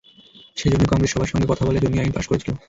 সেই জন্যই কংগ্রেস সবার সঙ্গে কথা বলে জমি আইন পাস করেছিল।